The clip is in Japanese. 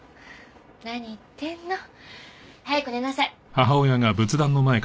何言ってるの。早く寝なさい。